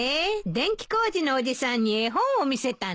電気工事のおじさんに絵本を見せたの？